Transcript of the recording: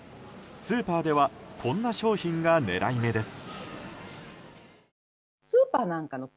スーパーではこんな商品が狙い目です。